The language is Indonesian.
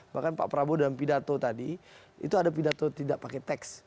bahkan pak prabowo dalam pidato tadi itu ada pidato tidak pakai teks